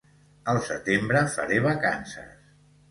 Al setembre faré vacances